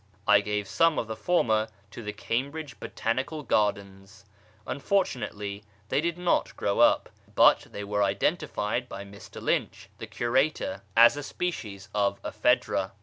I gave some of the former to the Cambridge Botanical Gardens. Un fortunately they did not grow up, but they were identified by Mr. Lynch, the curator, as a species of Ephedra.